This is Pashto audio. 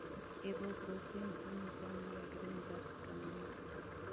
ایبوپروفین هم د مېګرین درد کموي.